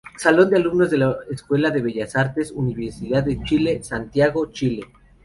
Salón de Alumnos de la Escuela de Bellas Artes, Universidad de Chile, Santiago, Chile.